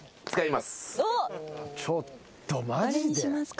ちょっとマジで？